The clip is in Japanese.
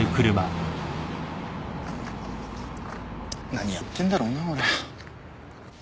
何やってるんだろうな俺。